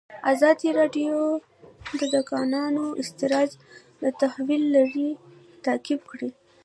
ازادي راډیو د د کانونو استخراج د تحول لړۍ تعقیب کړې.